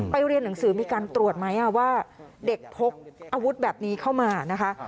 เรียนหนังสือมีการตรวจไหมว่าเด็กพกอาวุธแบบนี้เข้ามานะคะ